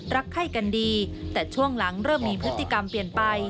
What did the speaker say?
ไข้กันดีแต่ช่วงหลังเริ่มมีพฤติกรรมเปลี่ยนไป